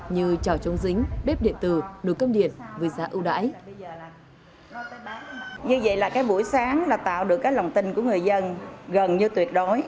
như chảo chống dính bếp điện tử